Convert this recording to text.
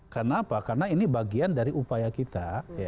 kenapa karena ini bagian dari upaya kita